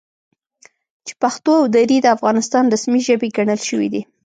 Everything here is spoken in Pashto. چې پښتو او دري د افغانستان رسمي ژبې ګڼل شوي دي،